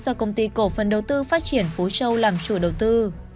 do công ty cổ phần đầu tư phát triển phú châu làm chủ đầu tư